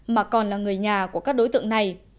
mà còn là người nhà của các đối tượng này